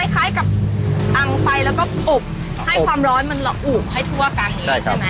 คล้ายกับอังไฟแล้วก็อบให้ความร้อนมันละอุให้ทั่วกันเลยใช่ไหม